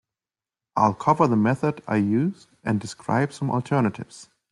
I'll cover the method I use and describe some alternatives.